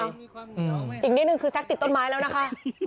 อ้าวอีกนิดหนึ่งคือแซ็คติดต้นไม้แล้วนะคะ